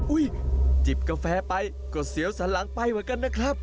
จิบกาแฟไปก็เสียวสันหลังไปเหมือนกันนะครับ